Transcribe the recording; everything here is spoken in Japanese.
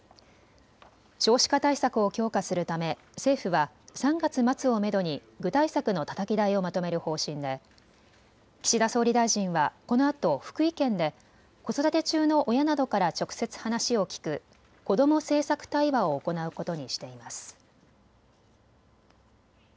少子化対策を強化するため政府は３月末をめどに具体策のたたき台をまとめる方針で岸田総理大臣はこのあと福井県で子育て中の親などから直接、話を聞くこども政策対話を行うことにしています。